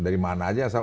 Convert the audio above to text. dari mana saja